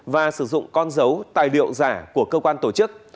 và sử dụng con dấu tài liệu giả của cơ quan tổ chức